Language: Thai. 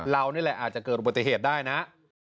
เรานี่แหละอาจจะเกิดอุบัติเหตุได้นะ